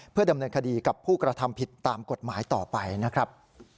เพื่อดำเนินคดีกับผู้กระทำผิดตามกฎหมายต่อไปนะครับ